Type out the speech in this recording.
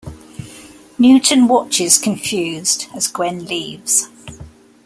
Newton watches, confused, as Gwen leaves.